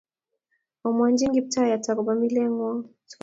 Omwonjin Kiptayat akoba milet ng'wo sikotoritok